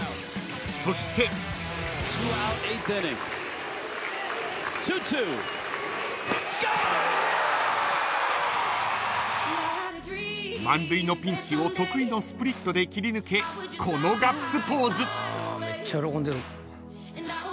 ［そして］［満塁のピンチを得意のスプリットで切り抜けこのガッツポーズ］